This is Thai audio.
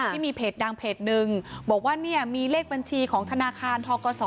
ที่มีเพจดังเพจหนึ่งบอกว่าเนี่ยมีเลขบัญชีของธนาคารทกศ